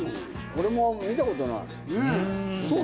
俺も見たことない。ねぇ。